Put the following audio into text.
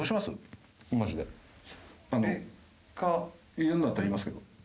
言うんだったら言いますけど。